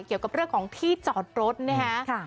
เกี่ยวกับเรื่องของที่จอดรถนะฮะ